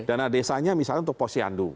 dana desanya misalnya untuk posyandu